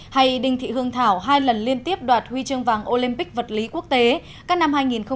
hay đình thị hương thảo hai lần liên tiếp đoạt huy chương vàng olympic vật lý quốc tế các năm hai nghìn một mươi năm hai nghìn một mươi sáu